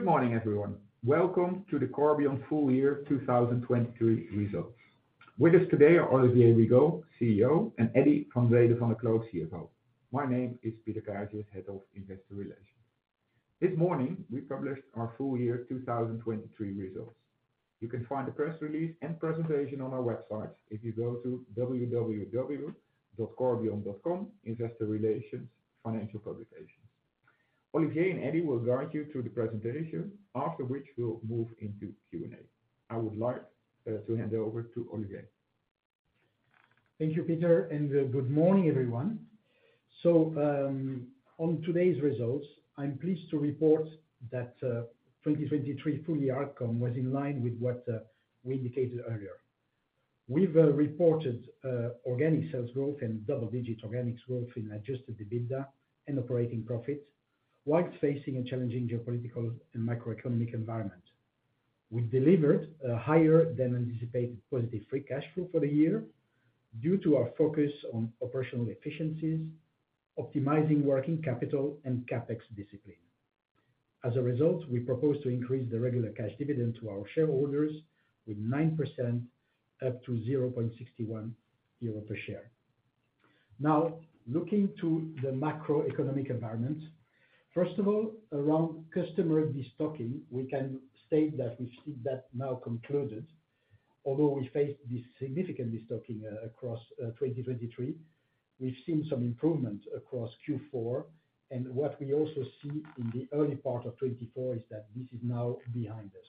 Good morning, everyone. Welcome to the Corbion Full Year 2023 results. With us today are Olivier Rigaud, CEO, and Eddy van Rhede van der Kloot, CFO. My name is Peter Kazius, Head of Investor Relations. This morning we published our Full Year 2023 results. You can find the press release and presentation on our website if you go to www.corbion.com, Investor Relations, Financial Publications. Olivier and Eddy will guide you through the presentation, after which we'll move into Q&A. I would like to hand over to Olivier. Thank you, Peter, and good morning, everyone. So, on today's results, I'm pleased to report that 2023 full year outcome was in line with what we indicated earlier. We've reported organic sales growth and double-digit organic growth in Adjusted EBITDA and operating profit, while facing a challenging geopolitical and macroeconomic environment. We delivered higher than anticipated positive free cash flow for the year due to our focus on operational efficiencies, optimizing working capital, and CapEx discipline. As a result, we propose to increase the regular cash dividend to our shareholders with 9% up to 0.61 euro per share. Now, looking to the macroeconomic environment, first of all, around customer destocking, we can state that we've seen that now concluded. Although we faced this significant destocking across 2023, we've seen some improvement across Q4, and what we also see in the early part of 2024 is that this is now behind us.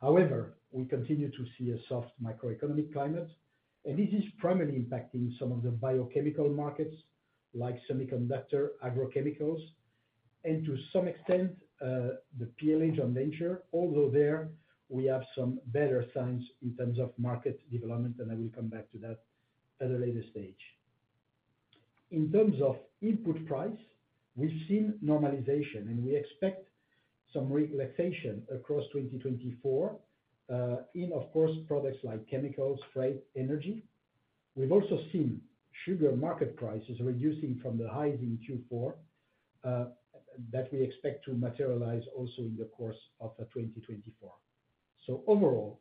However, we continue to see a soft macroeconomic climate, and this is primarily impacting some of the biochemical markets, like semiconductor, agrochemicals, and to some extent, the PLA joint venture, although there we have some better signs in terms of market development, and I will come back to that at a later stage. In terms of input price, we've seen normalization, and we expect some relaxation across 2024, in, of course, products like chemicals, freight, energy. We've also seen sugar market prices reducing from the highs in Q4, that we expect to materialize also in the course of 2024. So overall,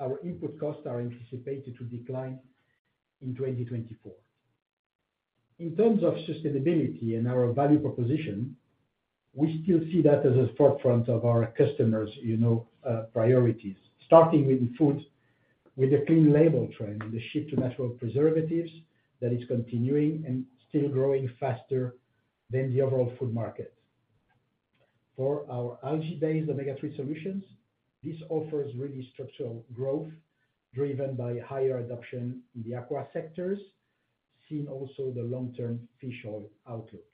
our input costs are anticipated to decline in 2024. In terms of sustainability and our value proposition, we still see that as a forefront of our customers, you know, priorities, starting with the food, with the clean label trend and the shift to natural preservatives that is continuing and still growing faster than the overall food market. For our algae-based omega-3 solutions, this offers really structural growth driven by higher adoption in the aqua sectors, seeing also the long-term fish oil outlook.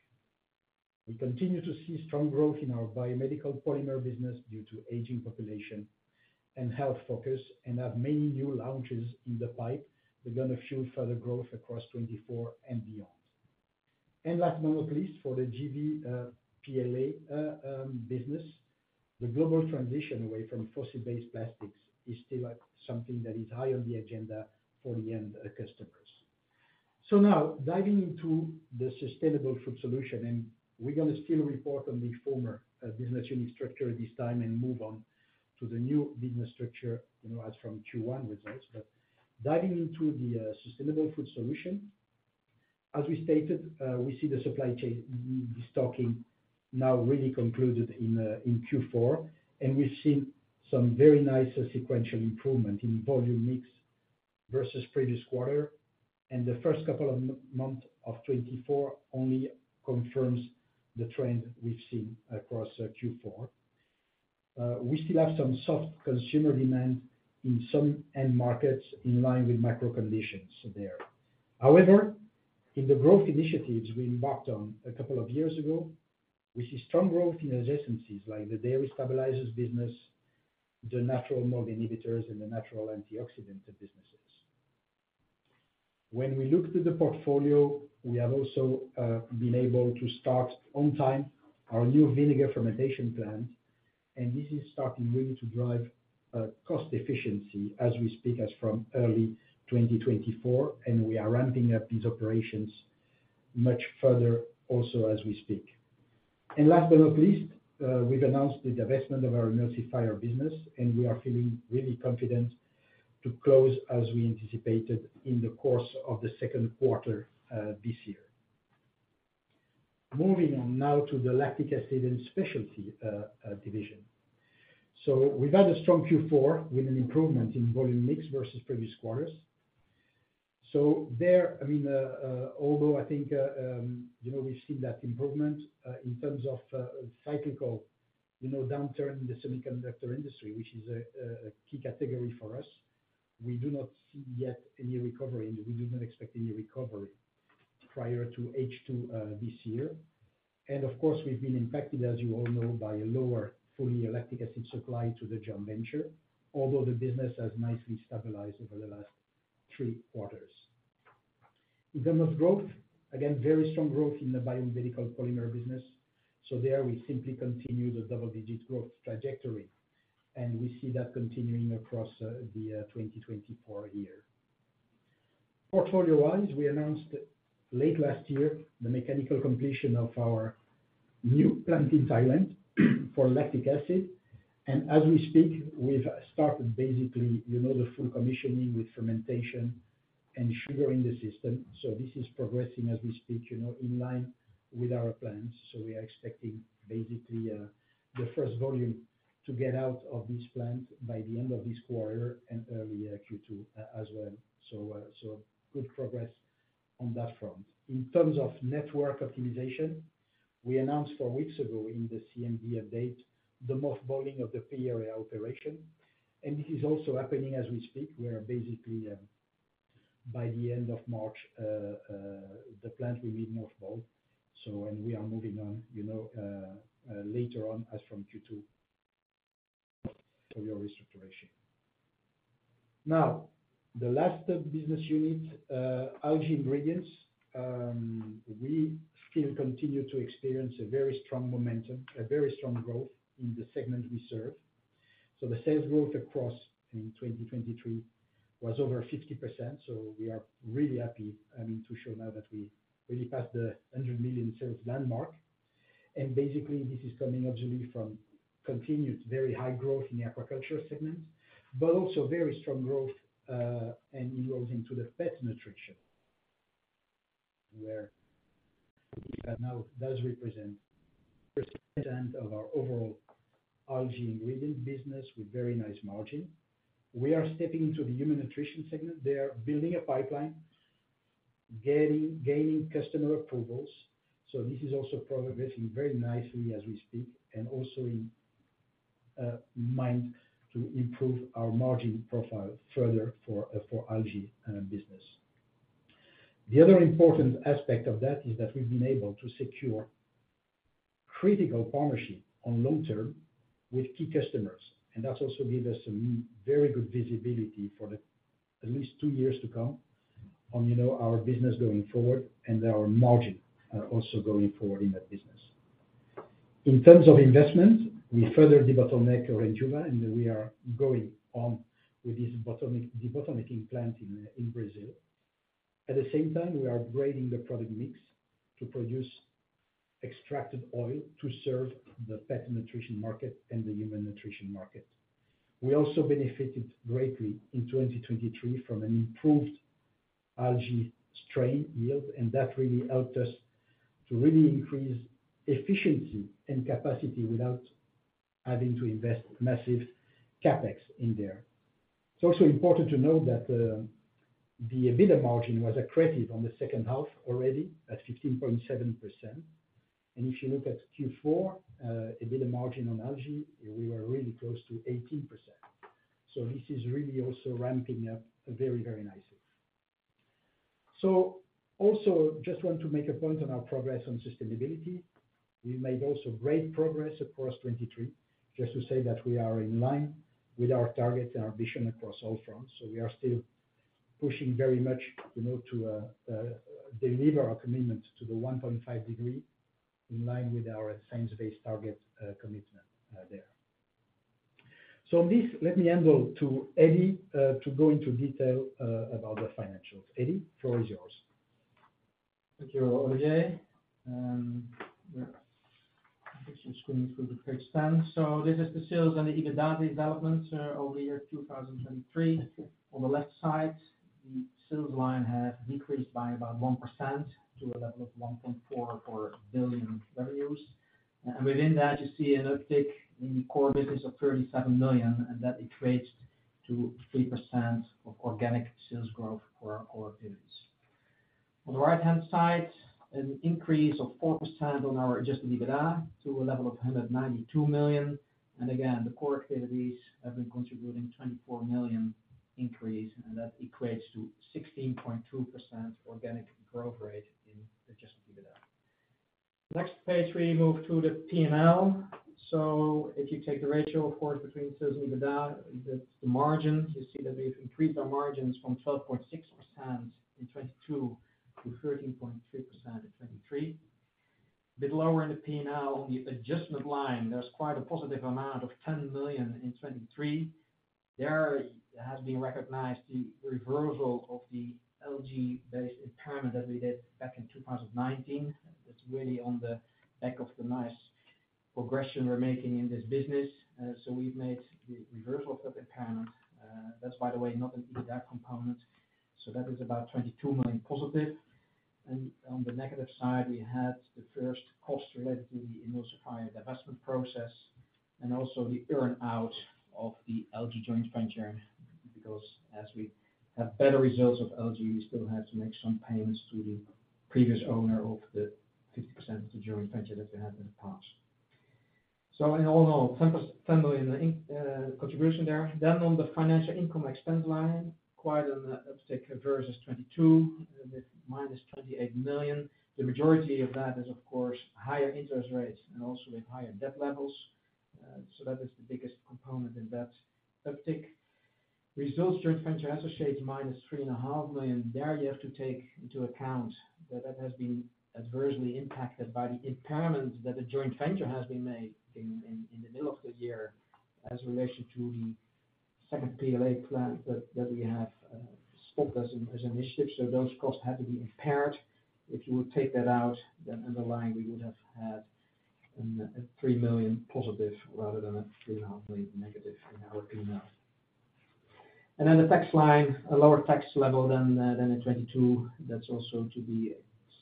We continue to see strong growth in our biomedical polymer business due to aging population and health focus, and have many new launches in the pipe that are gonna fuel further growth across 2024 and beyond. And last but not least, for the JV PLA business, the global transition away from fossil-based plastics is still something that is high on the agenda for the end customers. So now, diving into the Sustainable Food Solutions, and we're gonna still report on the former business unit structure this time and move on to the new business structure, you know, as from Q1 results, but diving into the Sustainable Food Solutions. As we stated, we see the supply chain destocking now really concluded in Q4, and we've seen some very nice sequential improvement in volume mix versus previous quarter, and the first couple of months of 2024 only confirms the trend we've seen across Q4. We still have some soft consumer demand in some end markets in line with macro conditions there. However, in the growth initiatives we embarked on a couple of years ago, we see strong growth in adjacencies like the dairy stabilizers business, the natural mold inhibitors, and the natural antioxidant businesses. When we look to the portfolio, we have also been able to start on time our new vinegar fermentation plant, and this is starting really to drive cost efficiency as we speak as from early 2024, and we are ramping up these operations much further also as we speak. And last but not least, we've announced the divestment of our emulsifiers business, and we are feeling really confident to close as we anticipated in the course of the second quarter this year. Moving on now to the Lactic Acid and Specialties division. So we've had a strong Q4 with an improvement in volume mix versus previous quarters. So there, I mean, although I think, you know, we've seen that improvement, in terms of, cyclical, you know, downturn in the semiconductor industry, which is a, a key category for us, we do not see yet any recovery, and we do not expect any recovery prior to H2, this year. And of course, we've been impacted, as you all know, by a lower volume lactic acid supply to the joint venture, although the business has nicely stabilized over the last three quarters. In terms of growth, again, very strong growth in the biomedical polymer business. So there we simply continue the double-digit growth trajectory, and we see that continuing across, the, 2024 year. Portfolio-wise, we announced late last year the mechanical completion of our new plant in Thailand for lactic acid, and as we speak, we've started basically, you know, the full commissioning with fermentation and sugar in the system. So this is progressing as we speak, you know, in line with our plans, so we are expecting basically, the first volume to get out of this plant by the end of this quarter and early Q2, as well. So, so good progress on that front. In terms of network optimization, we announced four weeks ago in the CMD update the mothballing of the Peoria operation, and this is also happening as we speak. We are basically, by the end of March, the plant will be mothballed, so and we are moving on, you know, later on as from Q2 of our restructuring. Now, the last business unit, Algae Ingredients, we still continue to experience a very strong momentum, a very strong growth in the segment we serve. So the sales growth across, I mean, 2023 was over 50%, so we are really happy, I mean, to show now that we really passed the 100 million sales landmark. And basically, this is coming actually from continued very high growth in the aquaculture segment, but also very strong growth, and inroads into the pet nutrition, where it now does represent a percentage of our overall Algae Ingredients business with very nice margin. We are stepping into the human nutrition segment there, building a pipeline, getting gaining customer approvals, so this is also progressing very nicely as we speak, and also in mind to improve our margin profile further for, for algae business. The other important aspect of that is that we've been able to secure critical partnership on long term with key customers, and that's also given us some very good visibility for the at least two years to come on, you know, our business going forward and our margin, also going forward in that business. In terms of investment, we further debottleneck Orindiúva, and we are going on with this bottleneck debottlenecking plant in, in Brazil. At the same time, we are upgrading the product mix to produce extracted oil to serve the pet nutrition market and the human nutrition market. We also benefited greatly in 2023 from an improved algae strain yield, and that really helped us to really increase efficiency and capacity without having to invest massive CapEx in there. It's also important to note that the EBITDA margin was accretive on the second half already at 15.7%, and if you look at Q4, EBITDA margin on algae, we were really close to 18%. So this is really also ramping up very, very nicely. So also just want to make a point on our progress on sustainability. We made also great progress across 2023, just to say that we are in line with our targets and our vision across all fronts. So we are still pushing very much, you know, to deliver our commitment to the 1.5 degree in line with our science-based target commitment there. So on this, let me hand over to Eddy to go into detail about the financials. Eddy, floor is yours. Thank you, Olivier. Yeah, I think you're screening through the page then. So this is the sales and the EBITDA developments over the year 2023. On the left side, the sales line has decreased by about 1% to a level of 1.44 billion revenues. And within that, you see an uptick in the core business of 37 million, and that equates to 3% of organic sales growth for our core activities. On the right-hand side, an increase of 4% on our adjusted EBITDA to a level of 192 million, and again, the core activities have been contributing 24 million increase, and that equates to 16.2% organic growth rate in adjusted EBITDA. Next page, we move to the P&L. So if you take the ratio, of course, between sales and EBITDA, the margin, you see that we've increased our margins from 12.6% in 2022 to 13.3% in 2023. A bit lower in the P&L, on the adjustment line, there's quite a positive amount of 10 million in 2023. There has been recognized the reversal of the algae-based impairment that we did back in 2019. It's really on the back of the nice progression we're making in this business, so we've made the reversal of that impairment. That's, by the way, not an EBITDA component, so that is about 22 million positive. And on the negative side, we had the first cost related to the emulsifier divestment process and also the earn-out of the algae joint venture because as we have better results of algae, we still have to make some payments to the previous owner of the 50% of the joint venture that we had in the past. So in all, net 10%, EUR 10 million in the net contribution there. Then on the financial income expense line, quite an uptick versus 2022, with -28 million. The majority of that is, of course, higher interest rates and also with higher debt levels, so that is the biggest component in that uptick. Results joint venture associates -3.5 million. There you have to take into account that that has been adversely impacted by the impairments that the joint venture has been making in the middle of the year in relation to the second PLA plant that we have stopped as an initiative. So those costs had to be impaired. If you would take that out, then underlying we would have had a 3 million positive rather than a -3.5 million negative in our P&L. And then the tax line, a lower tax level than in 2022. That's also to be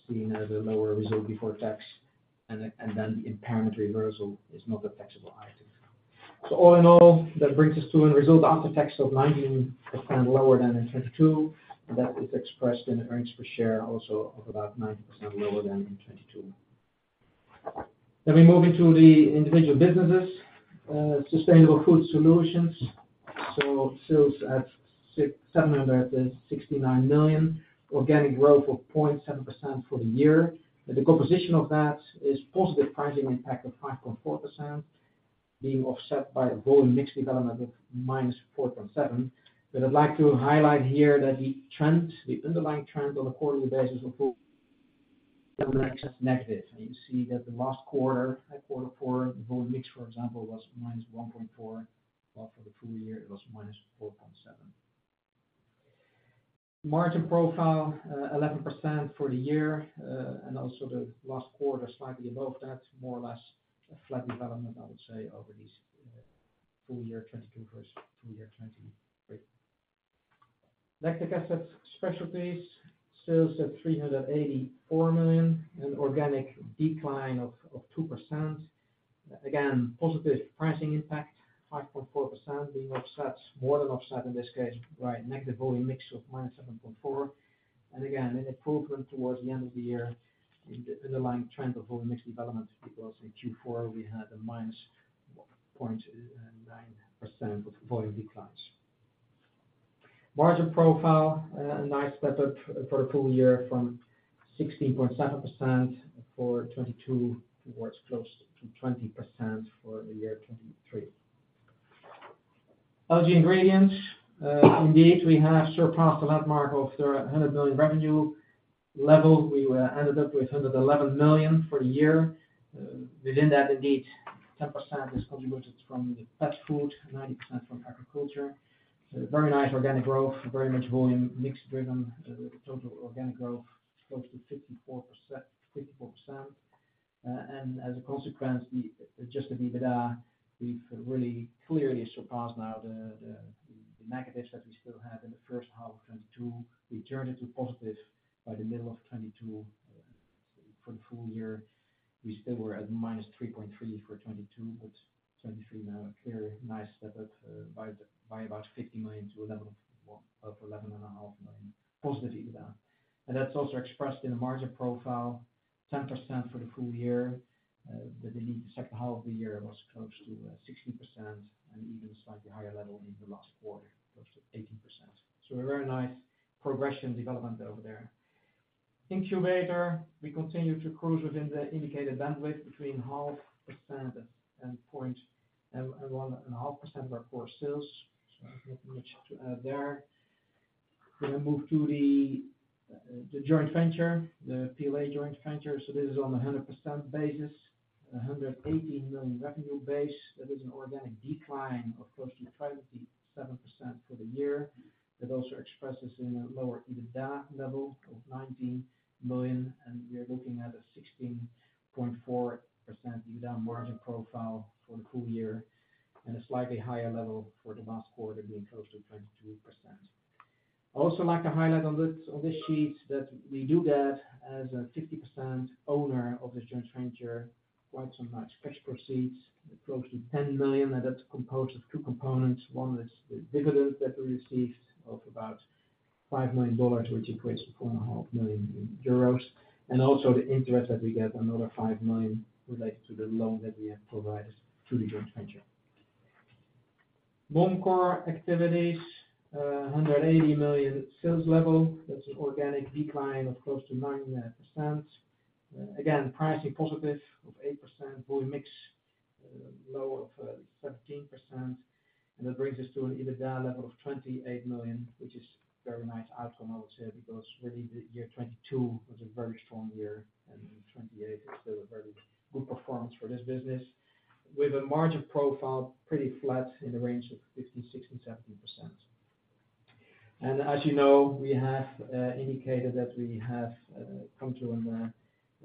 seen as a lower result before tax, and then the impairment reversal is not a taxable item. So all in all, that brings us to a result after tax of 19% lower than in 2022, and that is expressed in earnings per share also of about 90% lower than in 2022. Then we move into the individual businesses, Sustainable Food Solutions. So sales €769 million, organic growth of 0.7% for the year. The composition of that is positive pricing impact of 5.4% being offset by volume mix development of -4.7%. But I'd like to highlight here that the trend, the underlying trend on a quarterly basis of volume is negative, and you see that the last quarter, quarter four, volume mix, for example, was -1.4%. Well, for the full year, it was -4.7%. Margin profile, 11% for the year, and also the last quarter slightly above that, more or less a flat development, I would say, over these, full year 2022 versus full year 2023. Lactic acid specialties, sales at 384 million and organic decline of, of 2%. Again, positive pricing impact, 5.4% being offset, more than offset in this case, right, negative volume mix of -7.4%. And again, an improvement towards the end of the year in the underlying trend of volume mix development because in Q4 we had a minus point, 0.9% of volume declines. Margin profile, a nice step up, for the full year from 16.7% for 2022 towards close to 20% for the year 2023. Algae Ingredients, indeed, we have surpassed the landmark of the 100 million revenue level. We, ended up with 111 million for the year. Within that, indeed, 10% is contributed from the pet food, 90% from aquaculture. So very nice organic growth, very much volume mix driven, with total organic growth close to 54%, 54%. As a consequence, the Adjusted EBITDA, we've really clearly surpassed now the negatives that we still had in the first half of 2022. We turned it to positive by the middle of 2022, for the full year. We still were at -3.3 million for 2022, but 2023 now a clear nice step up, by about 50 million to a level of 11.5 million positive EBITDA. That's also expressed in the margin profile, 10% for the full year, but indeed the second half of the year was close to 60% and even a slightly higher level in the last quarter, close to 18%. So a very nice progression development over there. Incubator, we continue to cruise within the indicated bandwidth between 0.5% and, and 1.5% of our core sales, so there's not much to add there. We're going to move to the, the joint venture, the PLA joint venture. So this is on a 100% basis, 118 million revenue base. That is an organic decline of close to 27% for the year. That also expresses in a lower EBITDA level of 19 million, and we are looking at a 16.4% EBITDA margin profile for the full year and a slightly higher level for the last quarter being close to 22%. I also like to highlight on this on this sheet that we do get as a 50% owner of this joint venture quite some nice cash proceeds, close to $10 million, and that's composed of two components. One is the dividend that we received of about $5 million, which equates to 4.5 million euros, and also the interest that we get, another $5 million related to the loan that we have provided to the joint venture. Non-core activities, 180 million sales level. That's an organic decline of close to 9%. Again, pricing positive of 8%, volume mix lower of 17%, and that brings us to an EBITDA level of 28 million, which is a very nice outcome, I would say, because really the year 2022 was a very strong year, and 28 is still a very good performance for this business with a margin profile pretty flat in the range of 15%-17%. And as you know, we have indicated that we have come to an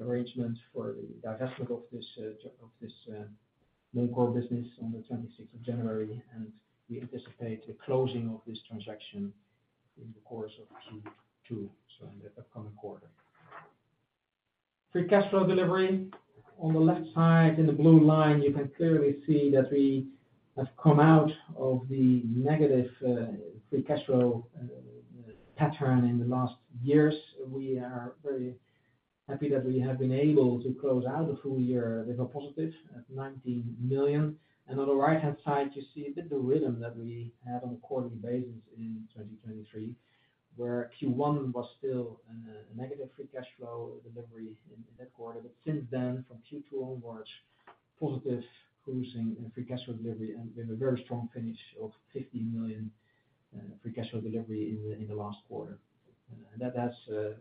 arrangement for the divestment of this non-core business on the 26th of January, and we anticipate the closing of this transaction in the course of Q2, so in the upcoming quarter. Free cash flow delivery. On the left side in the blue line, you can clearly see that we have come out of the negative free cash flow pattern in the last years. We are very happy that we have been able to close out the full year with a positive 19 million. On the right-hand side, you see a bit the rhythm that we had on a quarterly basis in 2023, where Q1 was still a negative free cash flow delivery in that quarter, but since then, from Q2 onwards, positive cruising and free cash flow delivery and with a very strong finish of 15 million free cash flow delivery in the last quarter. And that has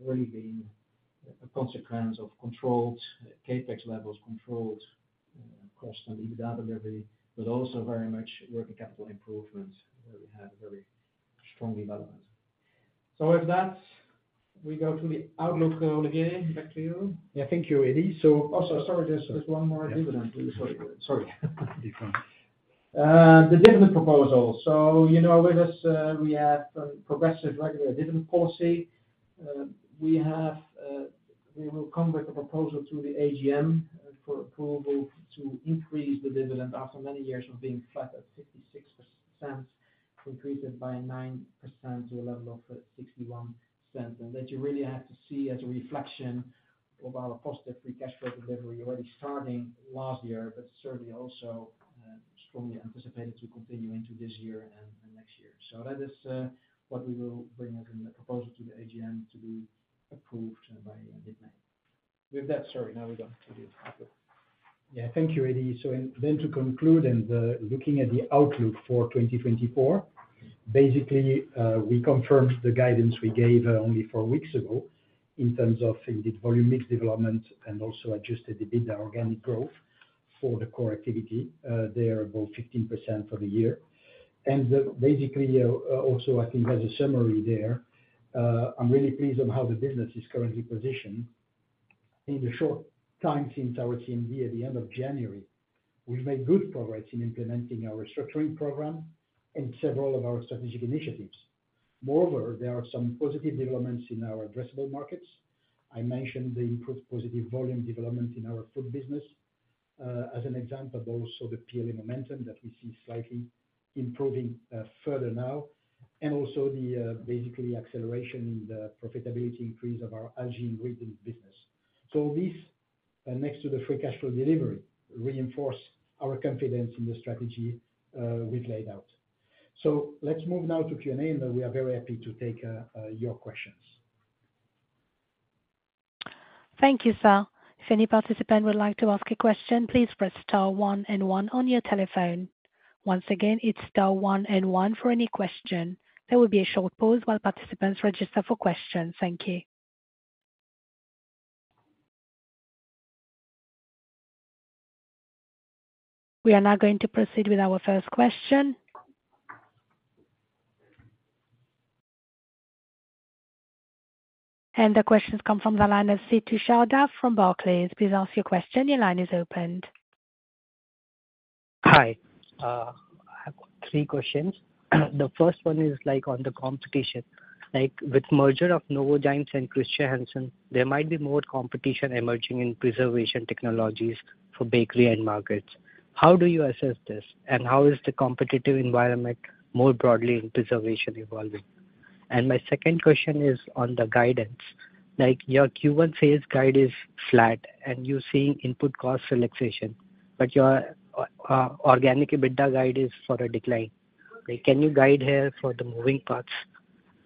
really been a consequence of controlled CapEx levels, controlled cost and EBITDA delivery, but also very much working capital improvement where we had a very strong development. So with that, we go to the outlook, Olivier, back to you. Yeah, thank you, Eddy. So. Also, sorry, just one more dividend. Sorry. Be fine. The dividend proposal. So, you know, with us, we have a progressive regular dividend policy. We have, we will come with a proposal to the AGM, for approval to increase the dividend after many years of being flat at 56%, increase it by 9% to a level of, 0.61, and that you really have to see as a reflection of our positive free cash flow delivery already starting last year, but certainly also, strongly anticipated to continue into this year and, and next year. So that is, what we will bring as in the proposal to the AGM to be approved, by, mid-May. With that, sorry, now we're going to the outlook. Yeah, thank you, Eddy. So, then, to conclude and looking at the outlook for 2024, basically, we confirmed the guidance we gave only four weeks ago in terms of indeed volume mix development and also adjusted EBITDA organic growth for the core activity. They are above 15% for the year. Basically, also, I think as a summary there, I'm really pleased on how the business is currently positioned. In the short time since our CMD at the end of January, we've made good progress in implementing our restructuring program and several of our strategic initiatives. Moreover, there are some positive developments in our addressable markets. I mentioned the improved positive volume development in our food business, as an example, but also the PLA momentum that we see slightly improving further now, and also the basically acceleration in the profitability increase of our Algae Ingredients business. So, these next to the free cash flow delivery reinforce our confidence in the strategy we've laid out. So, let's move now to Q&A, and we are very happy to take your questions. Thank you, Sir. If any participant would like to ask a question, please press star one and one on your telephone. Once again, it's star one and one for any question. There will be a short pause while participants register for questions. Thank you. We are now going to proceed with our first question. The questions come from the line of, Setu Sharda from Barclays. Please ask your question. Your line is open. Hi. I have three questions. The first one is, like, on the competition. Like, with merger of Novozymes and Chr. Hansen, there might be more competition emerging in preservation technologies for bakery and markets. How do you assess this, and how is the competitive environment more broadly in preservation evolving? And my second question is on the guidance. Like, your Q1 sales guide is flat, and you're seeing input cost relaxation, but your, organic EBITDA guide is for a decline. Like, can you guide here for the moving parts?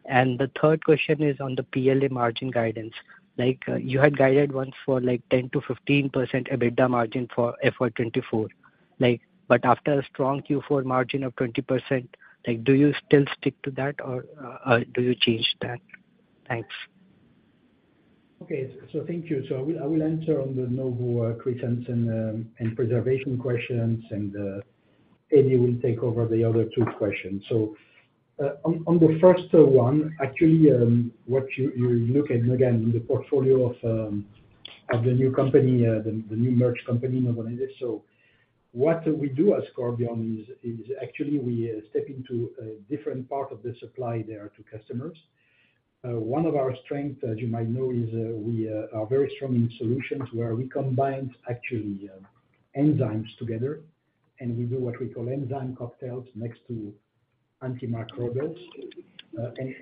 And the third question is on the PLA margin guidance. Like, you had guided once for, like, 10%-15% EBITDA margin for FY24, like, but after a strong Q4 margin of 20%, like, do you still stick to that, or, do you change that? Thanks. Okay. So, thank you. So I will answer on the Novozymes, Chr. Hansen, and preservation questions, and Eddy will take over the other two questions. So, on the first one, actually, what you look at, again, in the portfolio of the new company, the new merged company, Novonesis. So what we do at Corbion is actually we step into different part of the supply chain to customers. One of our strengths, as you might know, is we are very strong in solutions where we combined actually enzymes together, and we do what we call enzyme cocktails next to antimicrobials.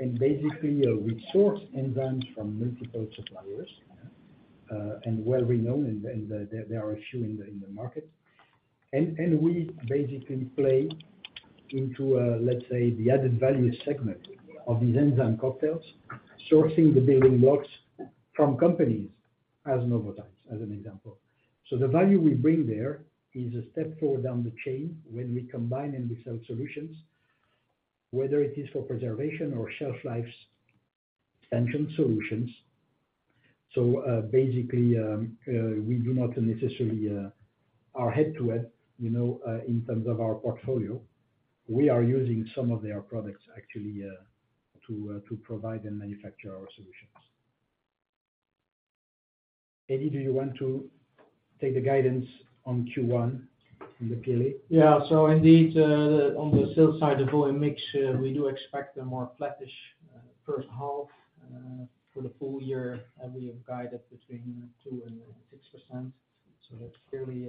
And basically, we source enzymes from multiple suppliers, well renowned, and there are a few in the market. We basically play into, let's say, the added value segment of these enzyme cocktails, sourcing the building blocks from companies as Novozymes, as an example. So the value we bring there is a step forward down the chain when we combine and we sell solutions, whether it is for preservation or shelf-life extension solutions. So, basically, we do not necessarily, are head-to-head, you know, in terms of our portfolio. We are using some of their products, actually, to provide and manufacture our solutions. Eddy, do you want to take the guidance on Q1 in the PLA? Yeah. So indeed, on the sales side of volume mix, we do expect a more flatish first half for the full year. We have guided between 2% and 6%. So that's clearly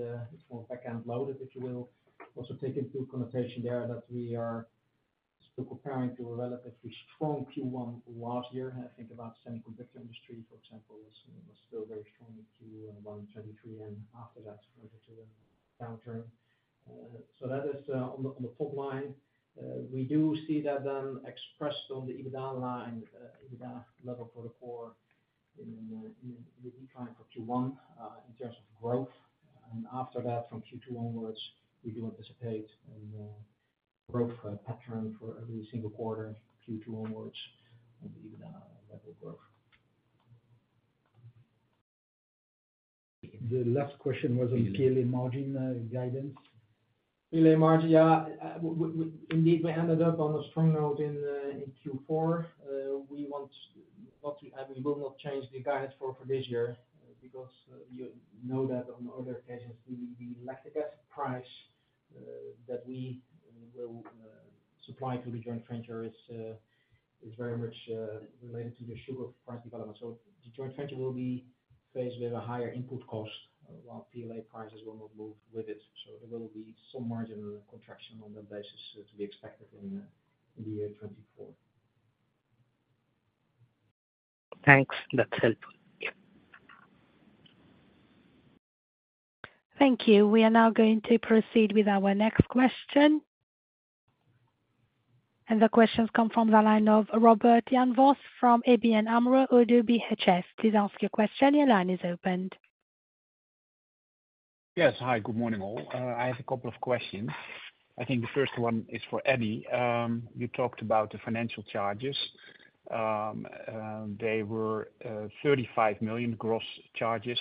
more back-end loaded, if you will. Also take into consideration there that we are still comparing to a relatively strong Q1 last year. I think about semiconductor industry, for example, was still very strong in Q1 2023 and after that going into a downturn. So that is on the top line. We do see that then expressed on the EBITDA line, EBITDA level for the core in the decline for Q1 in terms of growth. And after that, from Q2 onwards, we do anticipate a growth pattern for every single quarter Q2 onwards on the EBITDA level growth. The last question was on PLA margin, guidance. PLA margin, yeah. We indeed ended up on a strong note in Q4. We will not change the guidance for this year because, you know that on other occasions, the lactic acid price that we will supply to the joint venture is very much related to the sugar price development. So the joint venture will be faced with a higher input cost while PLA prices will not move with it. So there will be some margin contraction on that basis, to be expected in the year 2024. Thanks. That's helpful. Thank you. We are now going to proceed with our next question. The questions come from the line of Robert Jan Vos from ABN AMRO ODDO BHF. Please ask your question. Your line is open. Yes. Hi. Good morning, all. I have a couple of questions. I think the first one is for Eddy. You talked about the financial charges. They were 35 million gross charges.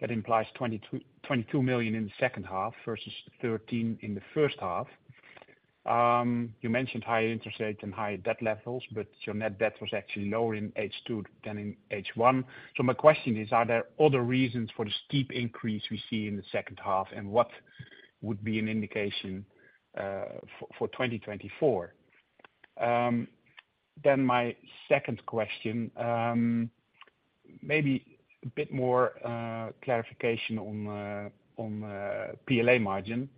That implies 22 million in the second half versus 13 million in the first half. You mentioned higher interest rate and higher debt levels, but your net debt was actually lower in H2 than in H1. So my question is, are there other reasons for this steep increase we see in the second half, and what would be an indication for 2024? Then my second question, maybe a bit more clarification on PLA margin.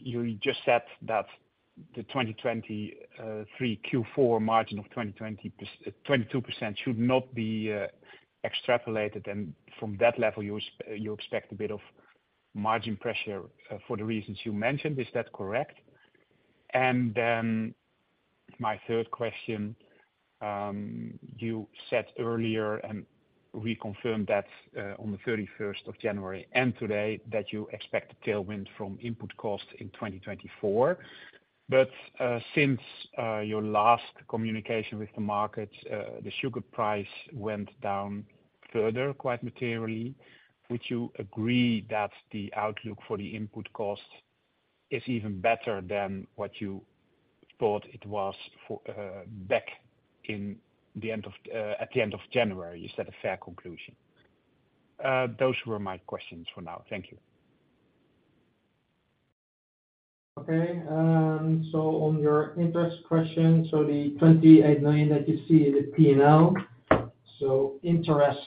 So you're just said that the 2023 Q4 margin of 20% 22% should not be extrapolated, and from that level, you expect a bit of margin pressure, for the reasons you mentioned. Is that correct? Then my third question, you said earlier and reconfirmed that, on the 31st of January and today that you expect a tailwind from input costs in 2024. But since your last communication with the markets, the sugar price went down further quite materially, would you agree that the outlook for the input costs is even better than what you thought it was for, back in the end of at the end of January? You said a fair conclusion. Those were my questions for now. Thank you. Okay. So on your interest question, so the 28 million that you see is the P&L, so interest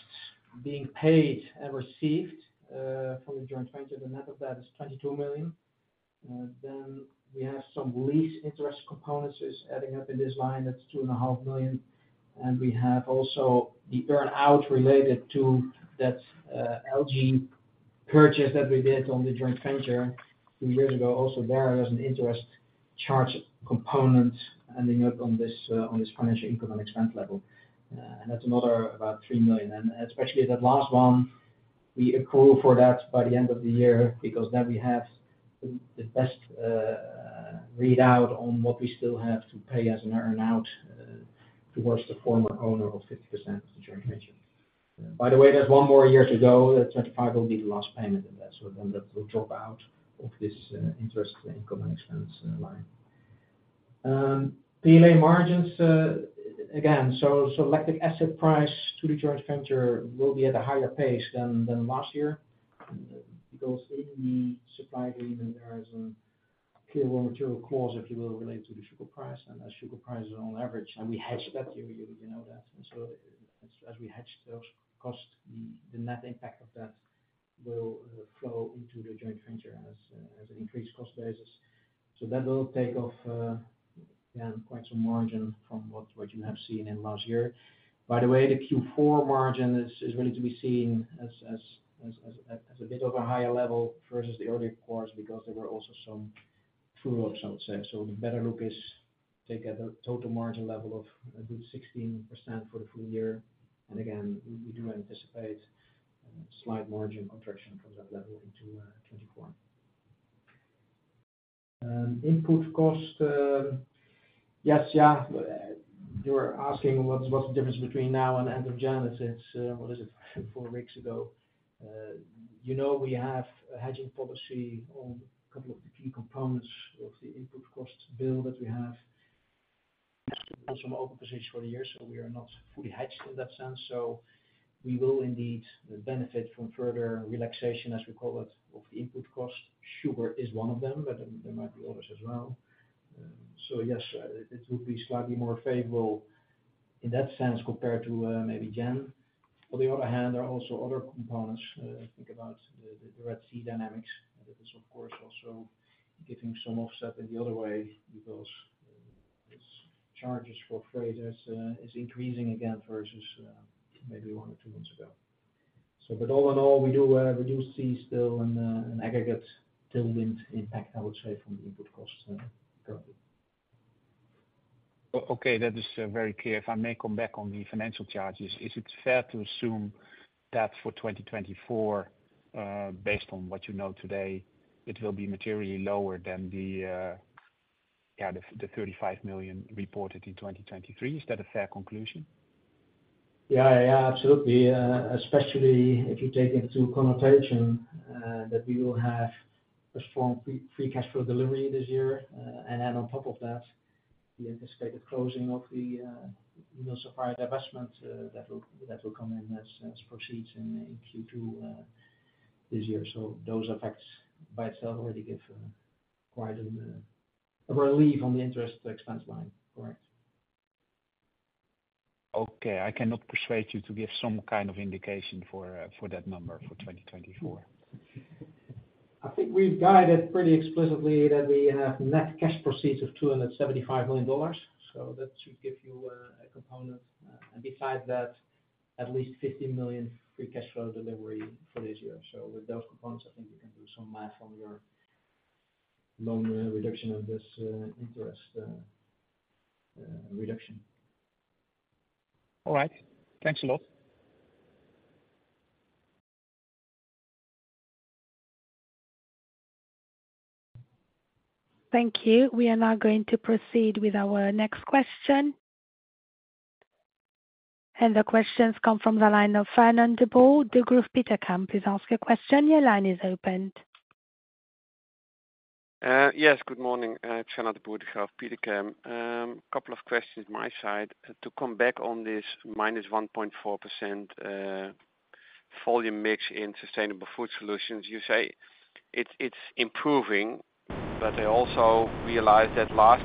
being paid and received, from the joint venture, the net of that is 22 million. Then we have some lease interest components adding up in this line. That's 2.5 million. And we have also the earn-out related to that, algae purchase that we did on the joint venture two years ago. Also there, there's an interest charge component ending up on this, on this financial income and expense level. And that's another about 3 million. And especially that last one, we accrue for that by the end of the year because then we have the, the best, readout on what we still have to pay as an earn-out, towards the former owner of 50% of the joint venture. By the way, there's one more year to go. 2025 will be the last payment of that. So then that will drop out of this, interest income and expense, line. PLA margins, again, so lactic acid price to the joint venture will be at a higher pace than last year because in the supply agreement, there is a clear raw material clause, if you will, related to the sugar price. And as sugar price is on average and we hedge that, you know that. And so as we hedge those costs, the net impact of that will flow into the joint venture as an increased cost basis. So that will take off, again, quite some margin from what you have seen in last year. By the way, the Q4 margin is really to be seen as a bit of a higher level versus the earlier quarters because there were also some true-ups, I would say. So the better look is take at the total margin level of a good 16% for the full year. And again, we do anticipate slight margin contraction from that level into 2024. Input cost, yes, yeah. You were asking what's the difference between now and end of January. It's what is it, four weeks ago? You know we have a hedging policy on a couple of the key components of the input cost bill that we have. We have some open positions for the year, so we are not fully hedged in that sense. So we will indeed benefit from further relaxation, as we call it, of the input cost. Sugar is one of them, but there might be others as well. So yes, it would be slightly more favorable in that sense compared to, maybe Jan. On the other hand, there are also other components. Think about the Red Sea dynamics. That is, of course, also giving some offset in the other way because, this charges for freighters, is increasing again versus, maybe one or two months ago. So but all in all, we do reduced fees still and, an aggregate tailwind impact, I would say, from the input cost, currently. Okay. That is very clear. If I may come back on the financial charges, is it fair to assume that for 2024, based on what you know today, it will be materially lower than the 35 million reported in 2023? Is that a fair conclusion? Yeah, yeah, yeah. Absolutely. Especially if you take into consideration that we will have a strong free, free cash flow delivery this year, and then on top of that, the anticipated closing of the, you know, supplier divestment, that will that will come in as, as proceeds in, in Q2, this year. So those effects by itself already give quite a, a relief on the interest expense line. Correct. Okay. I cannot persuade you to give some kind of indication for that number for 2024. I think we've guided pretty explicitly that we have net cash proceeds of $275 million. So that should give you a component, and besides that, at least $15 million free cash flow delivery for this year. So with those components, I think you can do some math on your loan reduction and this interest reduction. All right. Thanks a lot. Thank you. We are now going to proceed with our next question. The questions come from the line of Fernand de Boer. Degroof Petercam, please ask your question. Your line is opened. Yes. Good morning. Fernand de Boer here of Degroof Petercam. Couple of questions from my side. To come back on this -1.4% volume mix in Sustainable Food Solutions, you say it's, it's improving, but I also realize that last,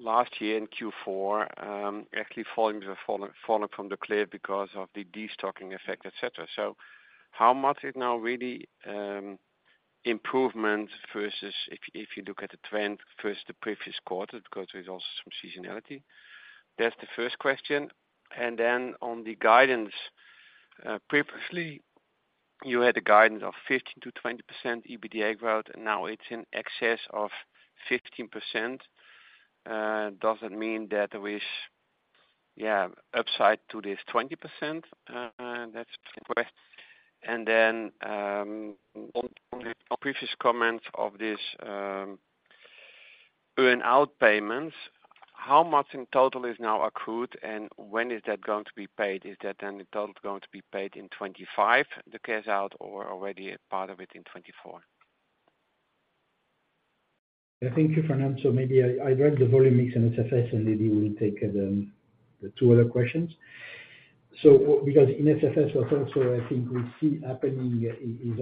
last year in Q4, actually volumes are falling, falling from the cliff because of the destocking effect, etc. So how much is now really improvement versus if, if you look at the trend versus the previous quarters because there's also some seasonality? That's the first question. And then on the guidance, previously, you had a guidance of 15%-20% EBITDA growth, and now it's in excess of 15%. Does that mean that there is, yeah, upside to this 20%? That's the question. Then, on the previous comments of this earn-out payments, how much in total is now accrued, and when is that going to be paid? Is that then in total going to be paid in 2025, the cash out, or already a part of it in 2024? Yeah. Thank you, Fernand. So maybe I dragged the volume mix in SFS, and Eddy will take the two other questions. So because in SFS, what also, I think, we see happening is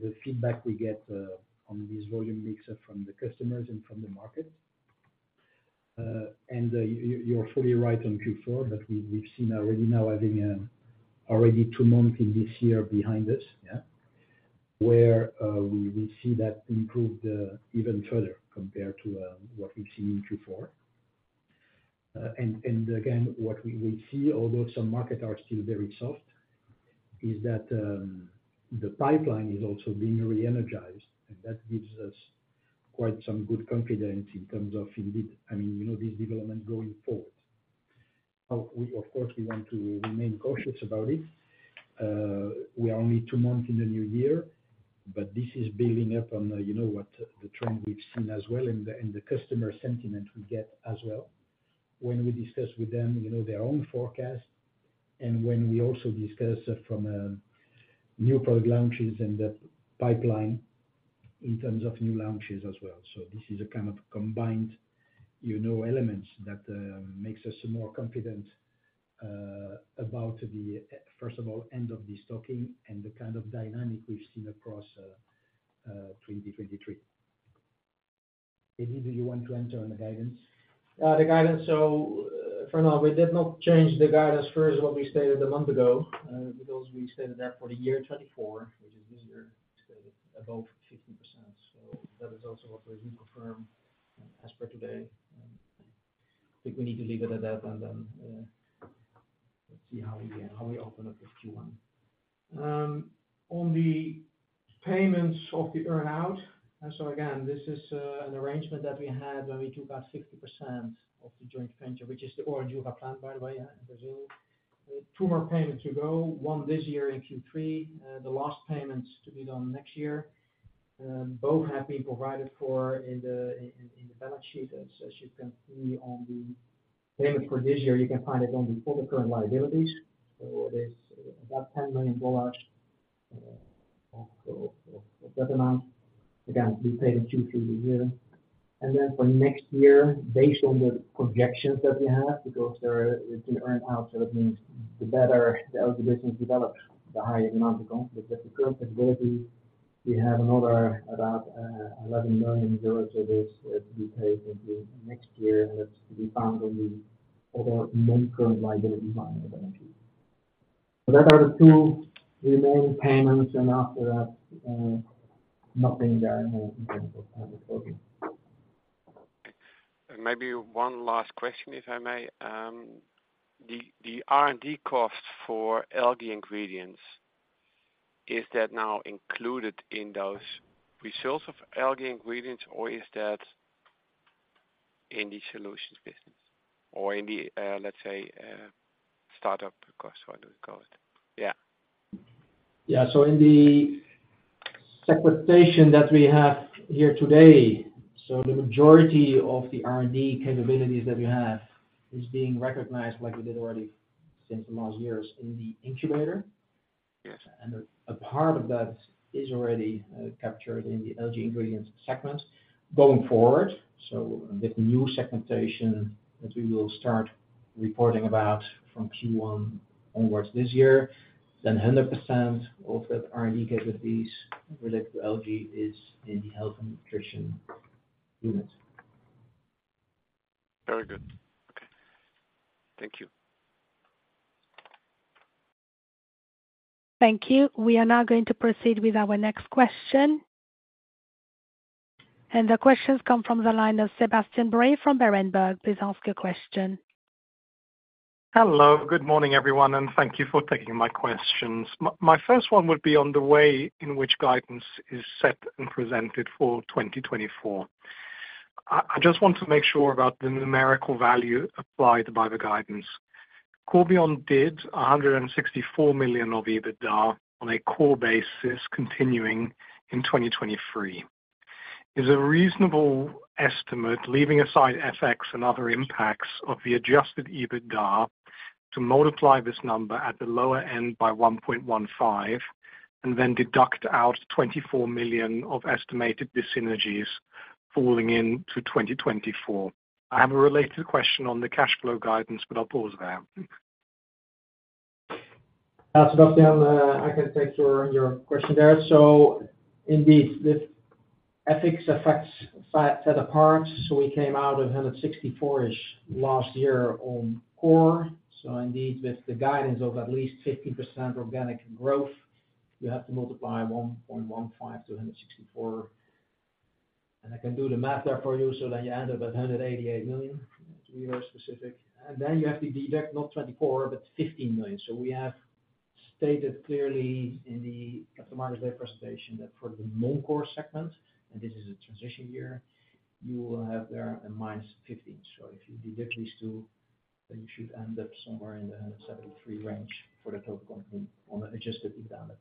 the feedback we get on this volume mix from the customers and from the market. And you are fully right on Q4, but we've seen already now having already two months in this year behind us, yeah, where we see that improved even further compared to what we've seen in Q4. And again, what we see, although some markets are still very soft, is that the pipeline is also being re-energized, and that gives us quite some good confidence in terms of indeed I mean, you know, this development going forward. Now, of course, we want to remain cautious about it. We are only two months in the new year, but this is building up on, you know what, the trend we've seen as well and the customer sentiment we get as well when we discuss with them, you know, their own forecast and when we also discuss from, new product launches and the pipeline in terms of new launches as well. So this is a kind of combined, you know, elements that, makes us more confident, about the, first of all, end of destocking and the kind of dynamic we've seen across 2023. Eddy, do you want to enter on the guidance? The guidance. So, Fernand, we did not change the guidance. First of all, we stated a month ago, because we stated that for the year 2024, which is this year, we stated above 15%. So that is also what we reconfirm as per today. I think we need to leave it at that and then, let's see how we open up with Q1 on the payments of the earn-out, so again, this is an arrangement that we had when we took out 50% of the joint venture, which is the Orindiúva plant, by the way, yeah, in Brazil. two more payments to go, one this year in Q3, the last payment to be done next year. Both have been provided for in the balance sheet. As you can see on the payment for this year, you can find it in the current liabilities. So it is about $10 million of that amount. Again, we paid in Q3 this year. Then for next year, based on the projections that we have because there it's an earn-out, so that means the better the business develops, the higher the amount we go. But with the current liability, we have another about 11 million euros to be, to be paid into next year, and that's to be found on the other non-current liabilities line in the balance sheet. So that are the two remaining payments, and after that, nothing there in terms of credit floating. Maybe one last question, if I may. The R&D cost for Algae Ingredients, is that now included in those results of Algae Ingredients, or is that in the solutions business or in the, let's say, startup cost, how do you call it? Yeah. Yeah. In the segmentation that we have here today, so the majority of the R&D capabilities that we have is being recognized, like we did already since the last years, in the Incubator. Yes. A part of that is already captured in the Algae Ingredients segment. Going forward, so with new segmentation that we will start reporting about from Q1 onwards this year, then 100% of that R&D capabilities related to algae is in the Health and Nutrition unit. Very good. Okay. Thank you. Thank you. We are now going to proceed with our next question. The questions come from the line of Sebastian Bray from Berenberg. Please ask your question. Hello. Good morning, everyone, and thank you for taking my questions. My, my first one would be on the way in which guidance is set and presented for 2024. I, I just want to make sure about the numerical value applied by the guidance. Corbion did 164 million of EBITDA on a core basis continuing in 2023. Is a reasonable estimate, leaving aside FX and other impacts of the adjusted EBITDA, to multiply this number at the lower end by 1.15 and then deduct out 24 million of estimated dissynergies falling into 2024? I have a related question on the cash flow guidance, but I'll pause there. Sebastian, I can take your, your question there. So indeed, with FX effects set apart, so we came out of 164 million-ish last year on core. So indeed, with the guidance of at least 15% organic growth, you have to multiply 1.15 to 164. And I can do the math there for you, so then you end up at 188 million. To be very specific. And then you have to deduct not 24 million but 15 million. So we have stated clearly in the Capital Markets Day presentation that for the non-core segment, and this is a transition year, you will have there a minus 15 million. So if you deduct these two, then you should end up somewhere in the 173 million range for the total company on the Adjusted EBITDA amount. That,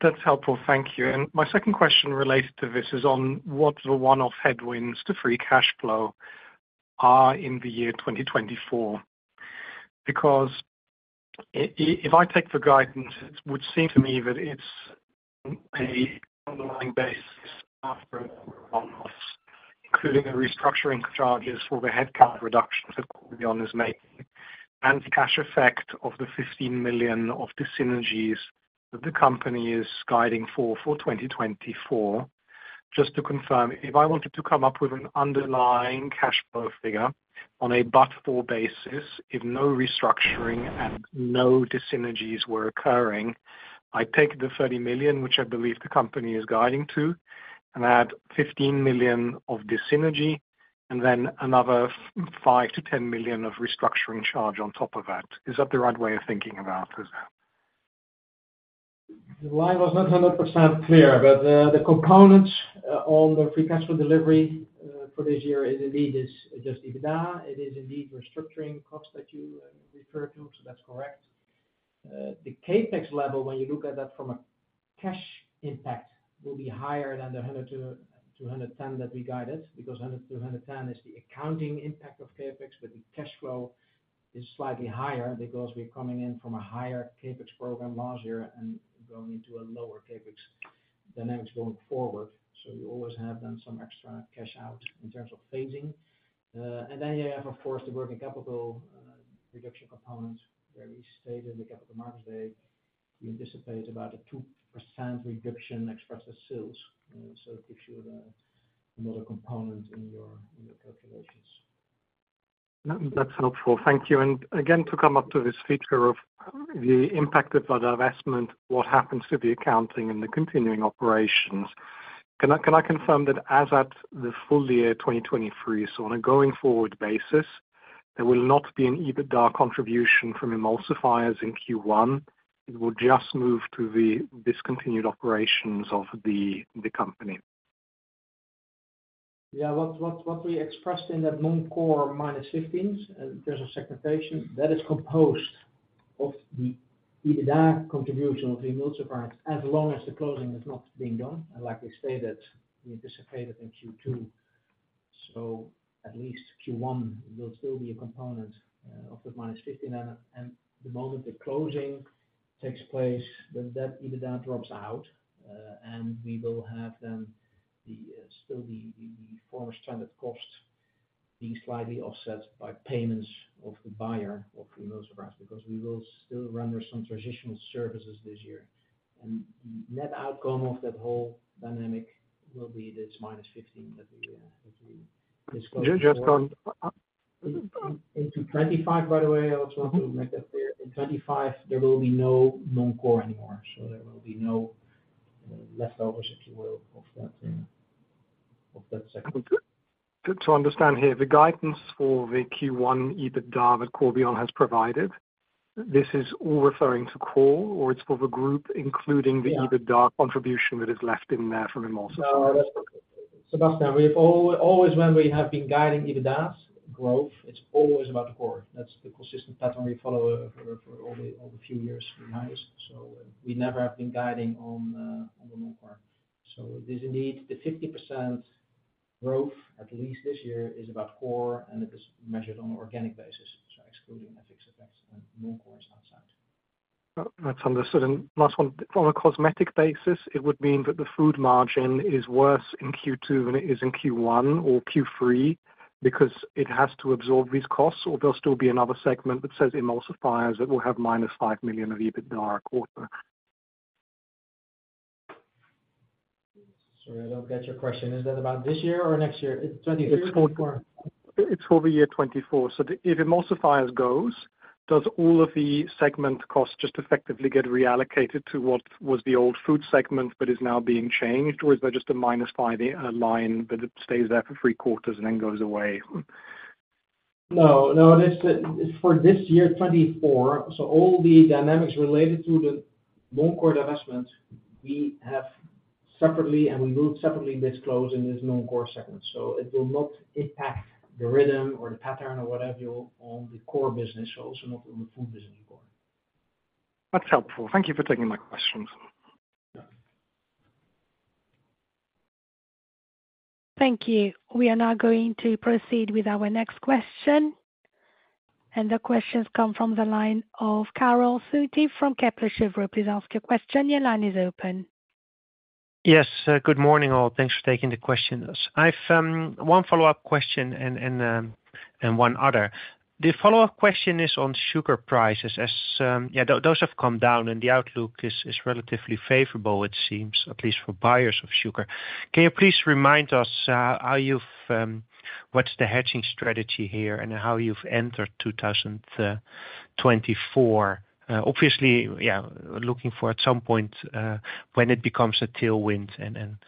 that's helpful. Thank you. And my second question related to this is on what the one-off headwinds to free cash flow are in the year 2024 because if I take the guidance, it would seem to me that it's a underlying basis after one-offs, including the restructuring charges for the headcount reductions that Corbion is making and the cash effect of the 15 million of dissynergies that the company is guiding for, for 2024. Just to confirm, if I wanted to come up with an underlying cash flow figure on a but-for basis, if no restructuring and no dissynergies were occurring, I take the 30 million, which I believe the company is guiding to, and add 15 million of dissynergy, and then another 5 million-10 million of restructuring charge on top of that. Is that the right way of thinking about it? The line was not 100% clear, but the components on the free cash flow delivery for this year, it indeed is Adjusted EBITDA. It is indeed restructuring cost that you referred to, so that's correct. The CapEx level, when you look at that from a cash impact, will be higher than the 100-110 that we guided because 100-110 is the accounting impact of CapEx, but the cash flow is slightly higher because we're coming in from a higher CapEx program last year and going into a lower CapEx dynamics going forward. So you always have then some extra cash out in terms of phasing. And then you have, of course, the working capital reduction component where we stated in the Capital Markets Day, you anticipate about a 2% reduction expressed as sales. So it gives you the other component in your calculations. Yeah. That's helpful. Thank you. And again, to come up to this feature of the impact of that investment, what happens to the accounting and the continuing operations? Can I confirm that as at the full year 2023, so on a going forward basis, there will not be an EBITDA contribution from emulsifiers in Q1? It will just move to the discontinued operations of the company? Yeah. What we expressed in that non-core -15, there's a segmentation that is composed of the EBITDA contribution of the emulsifiers as long as the closing is not being done. And like we stated, we anticipated in Q2, so at least Q1 will still be a component of that -15. And the moment the closing takes place, then that EBITDA drops out, and we will have then still the former stranded cost being slightly offset by payments of the buyer of emulsifiers because we will still render some transitional services this year. And the net outcome of that whole dynamic will be this -15 that we disclosed. Just go on. Into 2025, by the way, I also want to make that clear. In 2025, there will be no non-core anymore, so there will be no leftovers, if you will, of that, of that segment. Okay. Good to understand here. The guidance for the Q1 EBITDA that Corbion has provided, this is all referring to core, or it's for the group including the EBITDA contribution that is left in there from emulsifiers? That's Sebastian. We have always when we have been guiding EBITDA's growth, it's always about the core. That's the consistent pattern we follow for all the few years behind us. So, we never have been guiding on the non-core. So it is indeed the 50% growth, at least this year, is about core, and it is measured on an organic basis, so excluding FX effects, and non-core is outside. That's understood. And last one, on a cosmetic basis, it would mean that the food margin is worse in Q2 than it is in Q1 or Q3 because it has to absorb these costs, or there'll still be another segment that says emulsifiers that will have -5 million of EBITDA a quarter? Sorry. I don't get your question. Is that about this year or next year? It's 2023? It's for the year 2024. So if emulsifiers go, does all of the segment cost just effectively get reallocated to what was the old food segment but is now being changed, or is there just a -5 line that stays there for three quarters and then goes away? No. No. It is for this year 2024. So all the dynamics related to the non-core investment, we have separately, and we will separately disclose in this non-core segment. So it will not impact the rhythm or the pattern or whatever you'll on the core business, also not on the food business core. That's helpful. Thank you for taking my questions. Thank you. We are now going to proceed with our next question. The questions come from the line of Karel Zoete from Kepler Cheuvreux. Please ask your question. Your line is open. Yes. Good morning, all. Thanks for taking the questions. I've one follow-up question and one other. The follow-up question is on sugar prices as, yeah, those have come down, and the outlook is relatively favorable, it seems, at least for buyers of sugar. Can you please remind us how you've, what's the hedging strategy here and how you've entered 2024? Obviously, yeah, looking for at some point, when it becomes a tailwind and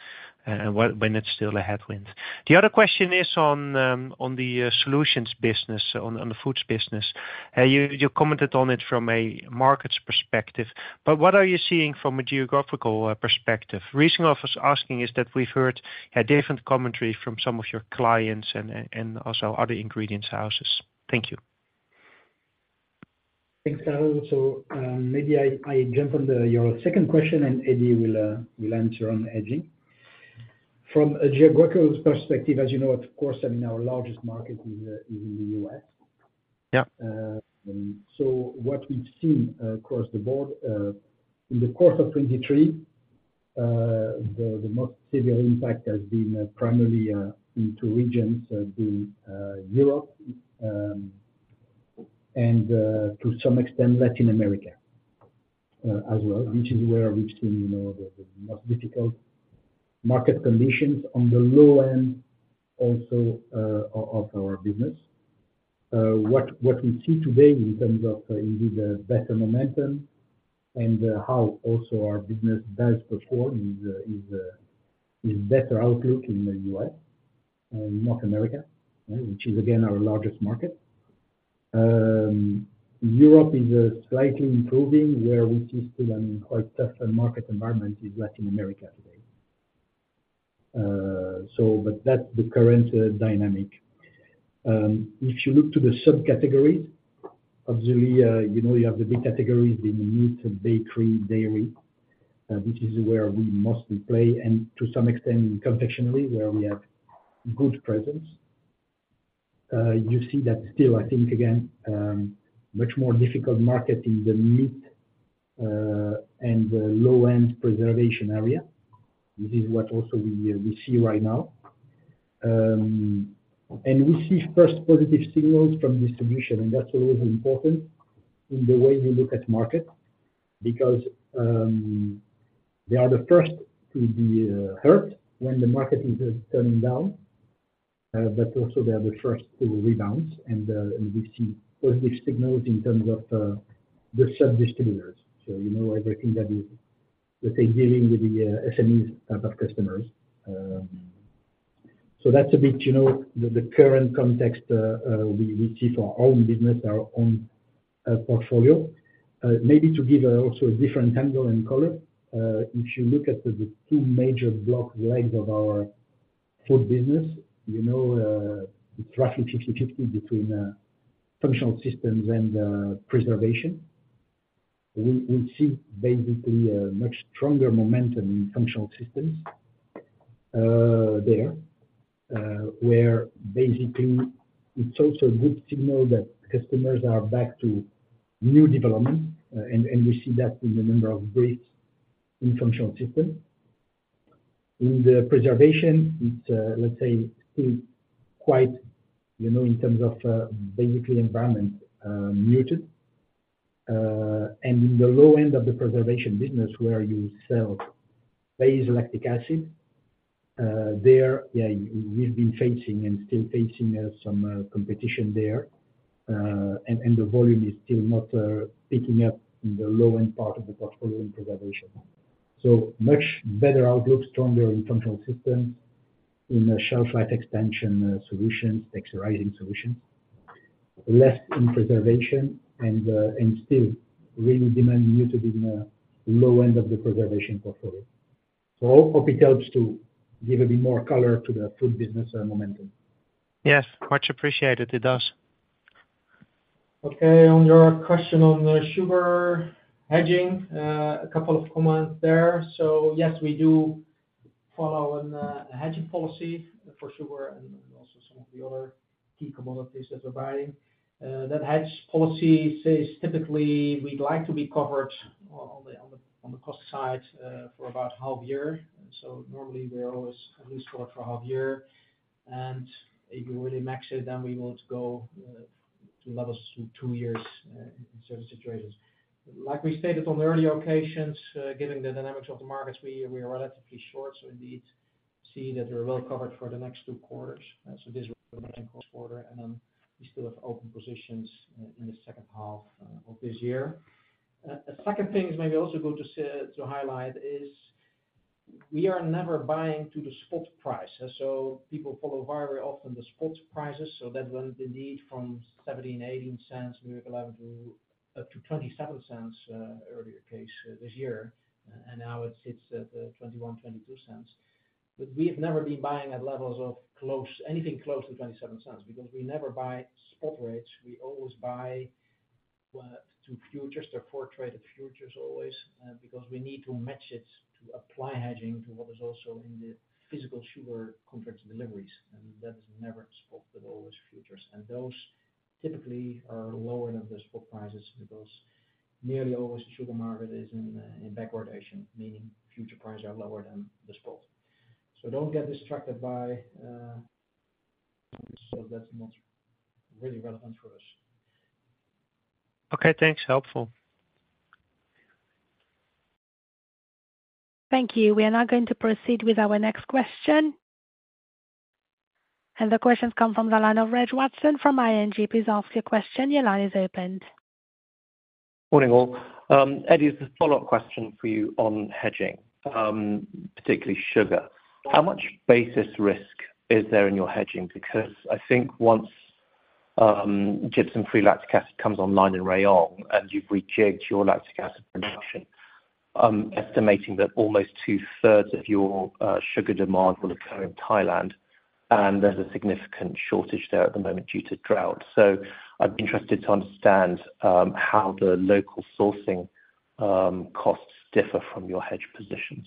what when it's still a headwind. The other question is on the solutions business, on the foods business. You commented on it from a markets perspective, but what are you seeing from a geographical perspective? The reason I was asking is that we've heard, yeah, different commentary from some of your clients and also other ingredients houses. Thank you. Thanks, Karel. So, maybe I, I jump on your second question, and Eddy will, will answer on hedging. From a geographical perspective, as you know, of course, I mean, our largest market is, is in the US. Yeah. So what we've seen, across the board, in the course of 2023, the most severe impact has been, primarily, into regions, being Europe, and, to some extent, Latin America, as well, which is where we've seen, you know, the most difficult market conditions on the low end also of our business. What we see today in terms of, indeed, better momentum and, how also our business does perform is better outlook in the U.S. and North America, which is, again, our largest market. Europe is slightly improving. Where we see still, I mean, quite tough market environment is Latin America today. So but that's the current dynamic. If you look to the subcategories, obviously, you know, you have the big categories being meat, bakery, dairy. This is where we mostly play and to some extent, confectionery, where we have good presence. You see that still, I think, again, much more difficult market in the meat, and the low-end preservation area. This is what also we see right now. We see first positive signals from distribution, and that's always important in the way you look at markets because they are the first to be hurt when the market is turning down, but also they are the first to rebound. And we see positive signals in terms of the subdistributors. So, you know, everything that is, let's say, dealing with the SMEs type of customers. So that's a bit, you know, the current context we see for our own business, our own portfolio. Maybe to give also a different angle and color, if you look at the two major block legs of our food business, you know, it's roughly 50/50 between functional systems and preservation. We see basically much stronger momentum in functional systems there, where basically it's also a good signal that customers are back to new development, and we see that in the number of briefs in functional system. In the preservation, it's let's say still quite you know in terms of basically environment muted. And in the low end of the preservation business where you sell base lactic acid there yeah we've been facing and still facing some competition there. And the volume is still not picking up in the low end part of the portfolio in preservation. So much better outlook, stronger in functional systems in shelf-life extension solutions, texturizing solutions, less in preservation, and still really demand muted in the low end of the preservation portfolio. So all it helps to give a bit more color to the food business momentum. Yes. Much appreciated. It does. Okay. On your question on sugar hedging, a couple of comments there. So yes, we do follow a hedging policy for sugar and also some of the other key commodities that we're buying. That hedge policy says typically, we'd like to be covered on the cost side for about half a year. So normally, we're always at least covered for half a year. And if you really max it, then we would go to levels of two years in certain situations. Like we stated on earlier occasions, given the dynamics of the markets, we are relatively short. So indeed, see that we're well covered for the next two quarters, so this remaining quarter, and then we still have open positions in the second half of this year. A second thing is maybe also good to say to highlight is we are never buying to the spot price. So people follow very, very often the spot prices so that went indeed from $0.17-$0.18, maybe $0.11 to up to $0.27 earlier this year, and now it sits at $0.21-$0.22. But we have never been buying at levels of close anything close to $0.27 because we never buy spot rates. We always buy to futures to forward-traded futures always, because we need to match it to apply hedging to what is also in the physical sugar contract deliveries. And that is never spot but always futures. And those typically are lower than the spot prices because nearly always the sugar market is in backwardation, meaning future prices are lower than the spot. So that's not really relevant for us. Okay. Thanks. Helpful. Thank you. We are now going to proceed with our next question. The questions come from the line of Reg Watson from ING. Please ask your question. Your line is opened. Good morning, all. Eddy, it's a follow-up question for you on hedging, particularly sugar. How much basis risk is there in your hedging? Because I think once, gypsum-free lactic acid comes online in Rayong and you've rejigged your lactic acid production, I'm estimating that almost two-thirds of your, sugar demand will occur in Thailand, and there's a significant shortage there at the moment due to drought. So I'd be interested to understand, how the local sourcing, costs differ from your hedge positions.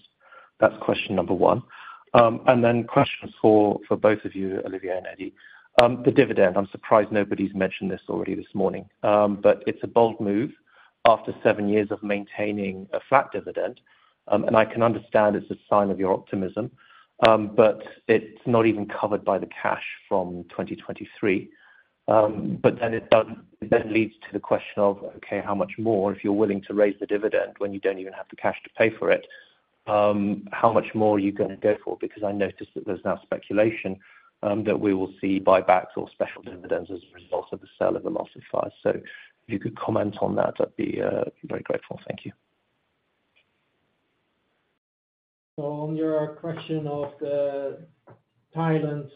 That's question number one. And then questions for, for both of you, Olivier and Eddy. The dividend, I'm surprised nobody's mentioned this already this morning, but it's a bold move after seven years of maintaining a flat dividend. And I can understand it's a sign of your optimism, but it's not even covered by the cash from 2023. But then it does it then leads to the question of, okay, how much more if you're willing to raise the dividend when you don't even have the cash to pay for it, how much more are you going to go for? Because I noticed that there's now speculation that we will see buybacks or special dividends as a result of the sale of the emulsifiers. So if you could comment on that, I'd be very grateful. Thank you. So on your question of the Thailand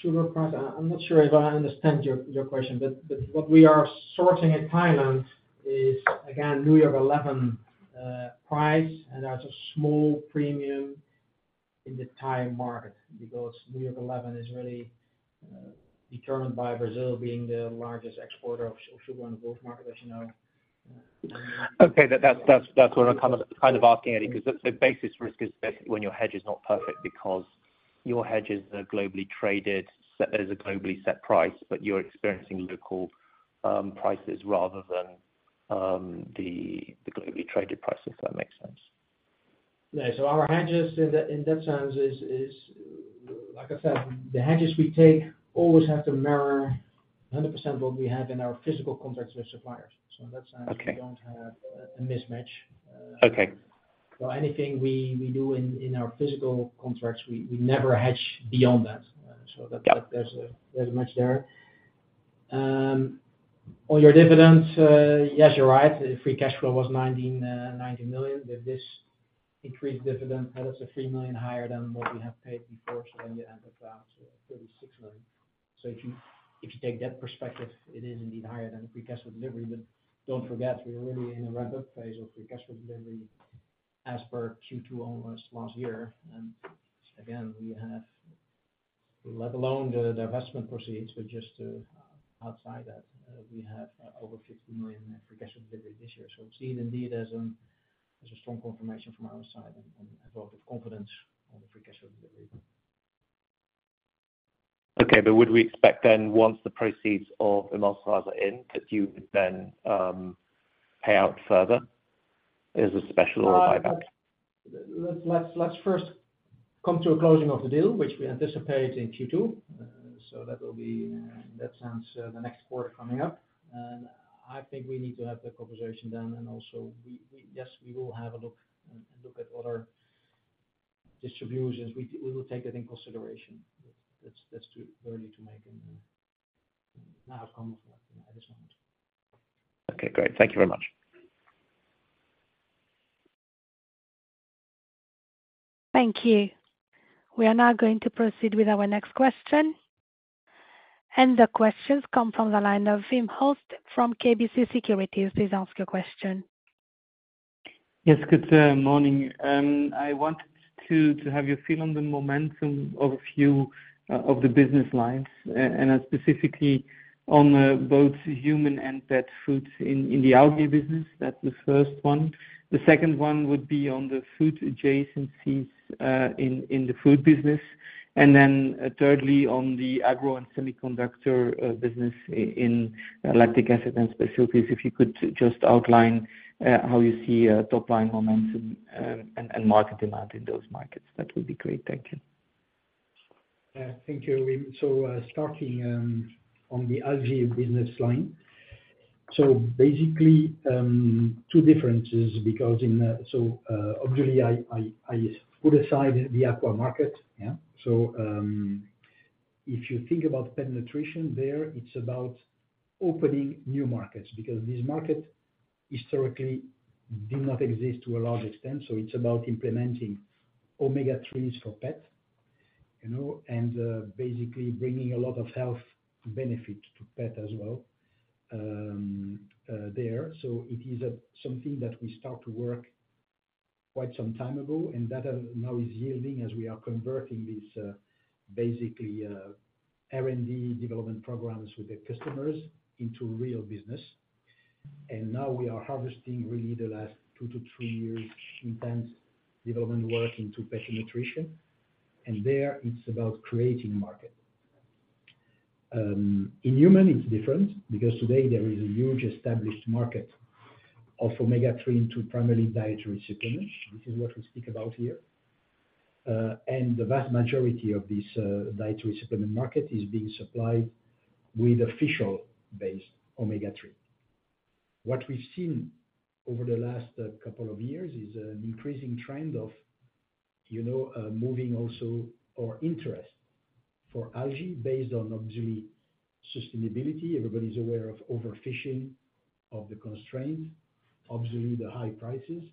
sugar price, I'm not sure if I understand your question, but what we are sourcing in Thailand is, again, New York 11 price, and that's a small premium in the Thai market because New York 11 is really determined by Brazil being the largest exporter of sugar in the world market, as you know. Okay. That's what I'm kind of asking, Eddy, because the basis risk is basically when your hedge is not perfect because your hedge is a globally traded set. There's a globally set price, but you're experiencing local prices rather than the globally traded prices, if that makes sense. Yeah. So our hedges in that sense is like I said, the hedges we take always have to mirror 100% what we have in our physical contracts with suppliers. So in that sense. Okay. We don't have a mismatch. Okay. So anything we do in our physical contracts, we never hedge beyond that, so that. Yeah. That there's a match there on your dividends, yes, you're right. The free cash flow was 19 million. With this increased dividend, that's 3 million higher than what we have paid before, so then you end up at 36 million. So if you take that perspective, it is indeed higher than the free cash flow delivery. But don't forget, we're really in a ramp-up phase of free cash flow delivery as per Q2 almost last year. And again, we have let alone the investment proceeds, but just outside that, we have over 50 million in free cash flow delivery this year. So we see it indeed as a strong confirmation from our side and a vote of confidence on the free cash flow delivery. Okay. But would we expect then once the proceeds of emulsifiers are in that you would then pay out further as a special or a buyback? Let's first come to a closing of the deal, which we anticipate in Q2. So that will be, in that sense, the next quarter coming up. And I think we need to have the conversation done. And also yes, we will have a look and look at other distributions. We will take that in consideration. That's too early to make an outcome of that at this moment. Okay. Great. Thank you very much. Thank you. We are now going to proceed with our next question. The questions come from the line of Wim Hoste from KBC Securities. Please ask your question. Yes. Good morning. I wanted to have your feel on the momentum of a few of the business lines, and specifically on both human and pet foods in the algae business. That's the first one. The second one would be on the food adjacencies in the food business. And then, thirdly, on the agro and semiconductor business in lactic acid and specialties, if you could just outline how you see top-line momentum and market demand in those markets. That would be great. Thank you. Yeah. Thank you, Wim. So, starting on the algae business line, so basically, two differences because in so obviously, I put aside the aqua market, yeah? So, if you think about pet nutrition there, it's about opening new markets because these markets historically did not exist to a large extent. So it's about implementing omega-3s for pets, you know, and basically bringing a lot of health benefit to pet as well, there. So it is something that we start to work quite some time ago, and that now is yielding as we are converting these basically R&D development programs with the customers into real business. And now we are harvesting really the last 2-3 years intense development work into pet nutrition. And there, it's about creating a market. In human, it's different because today, there is a huge established market of omega-3 into primarily dietary supplements. This is what we speak about here. The vast majority of this dietary supplement market is being supplied with a fish oil-based omega-3. What we've seen over the last couple of years is an increasing trend of, you know, moving also or interest for algae-based, obviously, sustainability. Everybody's aware of overfishing, of the constraints, obviously, the high prices.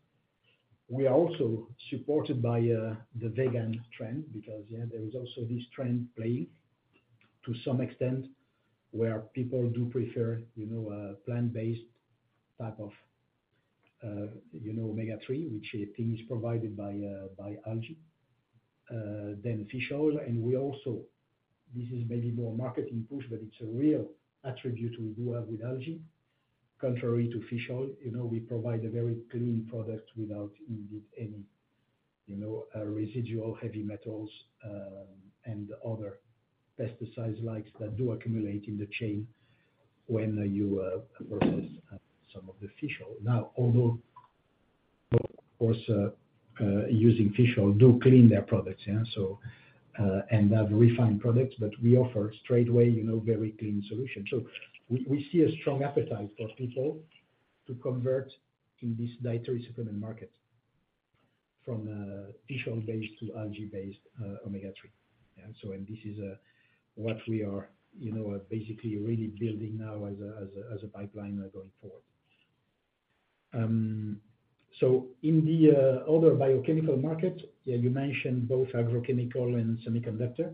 We are also supported by the vegan trend because, yeah, there is also this trend playing to some extent where people do prefer, you know, a plant-based type of, you know, omega-3, which I think is provided by, by algae, than fish oil. And we also, this is maybe more marketing push, but it's a real attribute we do have with algae, contrary to fish oil. You know, we provide a very clean product without indeed any, you know, residual heavy metals, and other pesticide-like that do accumulate in the chain when, you, process, some of the fish oil. Now, although, of course, using fish oil do clean their products, yeah? So, and have refined products, but we offer straightaway, you know, very clean solutions. So we, we see a strong appetite for people to convert in this dietary supplement market from, fish oil-based to algae-based, omega-3, yeah? So and this is, what we are, you know, basically really building now as a pipeline, going forward. So in the, other biochemical markets, yeah, you mentioned both agrochemical and semiconductor.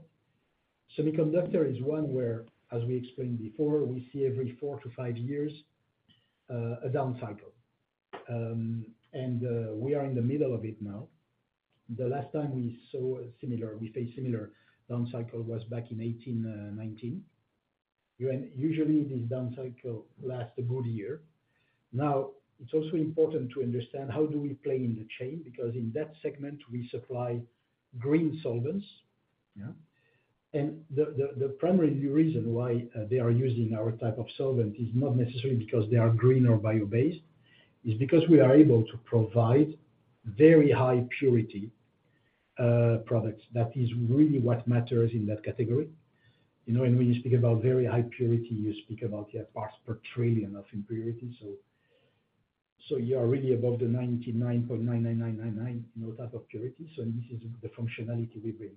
Semiconductor is one where, as we explained before, we see every 4-5 years, a down cycle. And, we are in the middle of it now. The last time we saw a similar down cycle was back in 2018, 2019. Yeah, and usually, this down cycle lasts a good year. Now, it's also important to understand how we play in the chain because in that segment, we supply green solvents, yeah? And the primary reason why they are using our type of solvent is not necessarily because they are green or bio-based; it's because we are able to provide very high purity products. That is really what matters in that category, you know? And when you speak about very high purity, you speak about, yeah, parts per trillion of impurities. So you are really above the 99.99999, you know, type of purity. So this is the functionality we bring.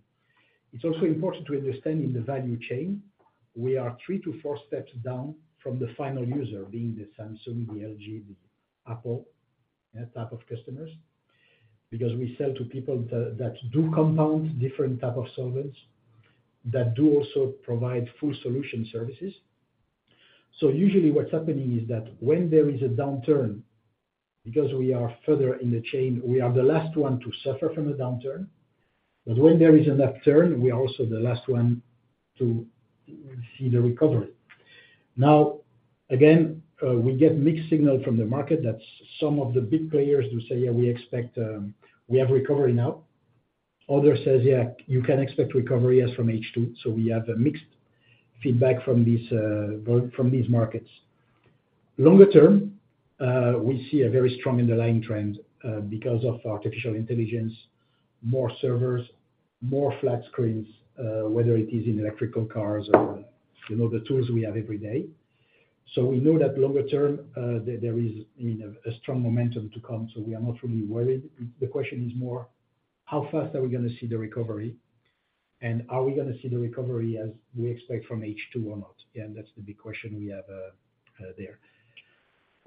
It's also important to understand in the value chain, we are 3-4 steps down from the final user being the Samsung, the LG, the Apple, yeah, type of customers because we sell to people that, that do compound different type of solvents, that do also provide full solution services. So usually, what's happening is that when there is a downturn because we are further in the chain, we are the last one to suffer from a downturn. But when there is enough turn, we are also the last one to see the recovery. Now, again, we get mixed signal from the market that some of the big players do say, "Yeah, we expect, we have recovery now." Other says, "Yeah, you can expect recovery as from H2." So we have a mixed feedback from this, from these markets. Longer term, we see a very strong underlying trend, because of artificial intelligence, more servers, more flat screens, whether it is in electric cars or, you know, the tools we have every day. So we know that longer term, there is, I mean, a strong momentum to come. So we are not really worried. The question is more, how fast are we going to see the recovery, and are we going to see the recovery as we expect from H2 or not? Yeah. And that's the big question we have, there.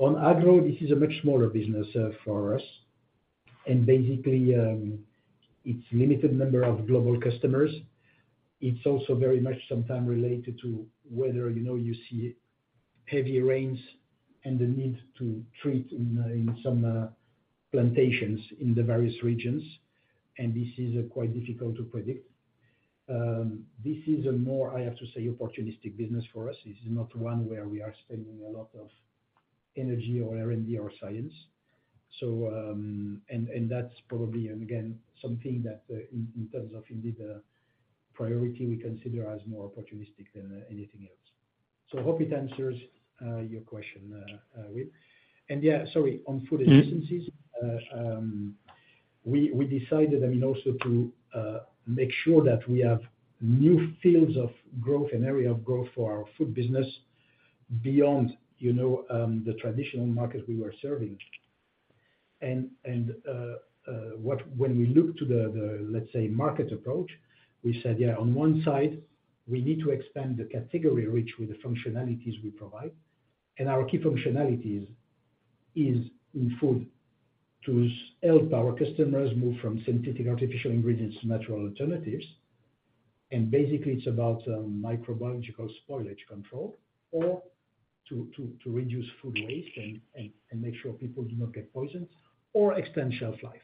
On agro, this is a much smaller business, for us. And basically, it's limited number of global customers. It's also very much sometimes related to whether, you know, you see heavy rains and the need to treat in some plantations in the various regions. And this is quite difficult to predict. This is a more, I have to say, opportunistic business for us. This is not one where we are spending a lot of energy or R&D or science. So, and that's probably, again, something that, in terms of indeed, priority, we consider as more opportunistic than anything else. So I hope it answers your question, Wim. And yeah, sorry. On food adjacencies, we decided, I mean, also to make sure that we have new fields of growth and area of growth for our food business beyond, you know, the traditional market we were serving. And when we looked to the, the, let's say, market approach, we said, "Yeah, on one side, we need to expand the category reach with the functionalities we provide." And our key functionality is in food to help our customers move from synthetic artificial ingredients to natural alternatives. Basically, it's about microbiological spoilage control or to reduce food waste and make sure people do not get poisoned or extend shelf life.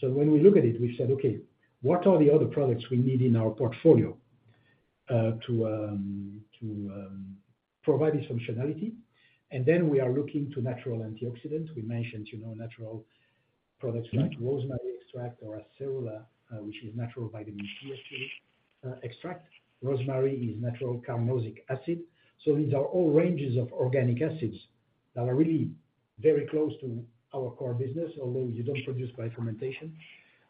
So when we look at it, we've said, "Okay. What are the other products we need in our portfolio to provide this functionality?" And then we are looking to natural antioxidants. We mentioned, you know, natural products like rosemary extract or acerola, which is natural vitamin C, actually, extract. Rosemary is natural carnosic acid. So these are all ranges of organic acids that are really very close to our core business, although you don't produce by fermentation.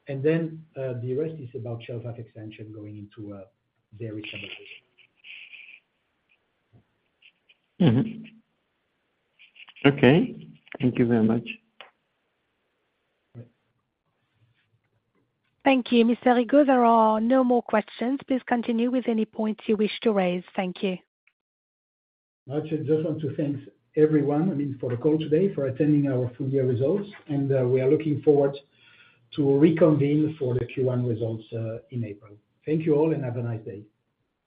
And then, the rest is about shelf-life extension going into dairy stabilization. Mm-hmm. Okay. Thank you very much. Thank you, Mr. Rigaud. There are no more questions. Please continue with any points you wish to raise. Thank you. I just want to thank everyone, I mean, for the call today, for attending our full-year results. We are looking forward to reconvene for the Q1 results in April. Thank you all, and have a nice day.